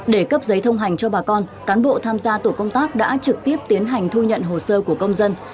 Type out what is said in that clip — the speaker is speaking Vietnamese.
để cấp giấy thông hành cho bà con cán bộ tham gia tổ công tác đã trực tiếp tiến hành thu nhận hồ sơ của công dân